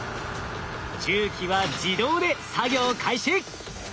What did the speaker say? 重機は自動で作業開始。